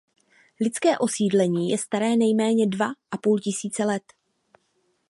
Lidské osídlení je staré nejméně dva a půl tisíce let.